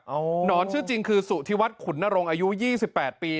เอาหนอนชื่อจริงคือสุธิวัฒขุนนรงค์อายุ๒๘ปี